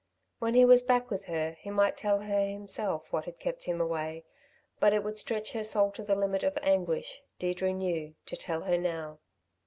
When he was back with her, he might tell her himself what had kept him away; but it would stretch her soul to the limit of anguish, Deirdre knew, to tell her now.